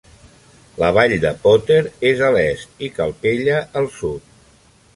La vall de Potter és a l'est i Calpella al sud.